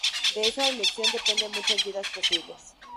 De esa elección dependen muchas vidas posibles.